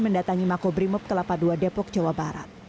mendatangi makobrimob kelapa ii depok jawa barat